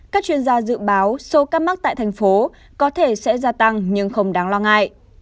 các chuyên gia dự báo số ca mắc tại thành phố có thể sẽ gia tăng nhưng không đáng lo ngại